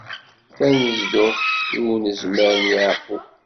Tanezduɣt i unezmar n Yeɛqub.